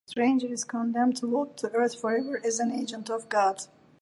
The Stranger is condemned to walk the Earth forever as an agent of God.